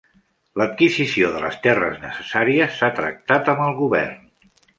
L'adquisició de les terres necessàries s'ha tractat amb el Govern.